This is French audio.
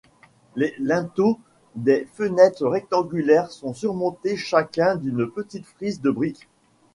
Les linteaux des fenêtres rectangulaires sont surmontés chacun d'une petite frise de briques.